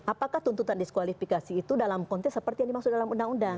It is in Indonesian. apakah tuntutan diskualifikasi itu dalam konteks seperti yang dimaksud dalam undang undang